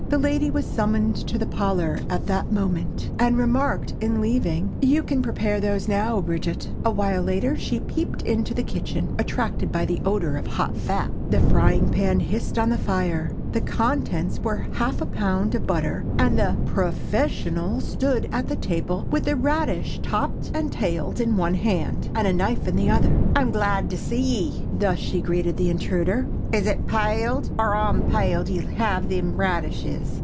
The lady was summoned to the parlor at that moment, and remarked in leaving—"You can prepare those now, Bridget." Awhile later she peeped into the kitchen, attracted by the odor of hot fat. The frying pan hissed on the fire, the contents were a half pound of butter, and the "professional" stood at the table with a radish topped and tailed in one hand, a knife in the other. "I'm glad to see ye," thus she greeted the intruder. "Is it paled or _on_paled ye'll have them radishes?